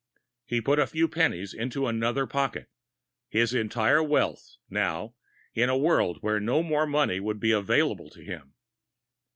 He put a few pennies into another pocket his entire wealth, now, in a world where no more money would be available to him.